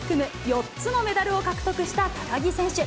４つのメダルを獲得した高木選手。